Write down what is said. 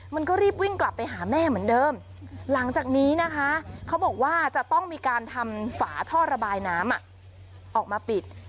มันก็รีบวิ่งกลับไปหาแม่เหมือนเดิมหลังจากนี้นะคะเขาบอกว่าจะต้องมีการทำฝาท่อระบายน้ำออกมาปิด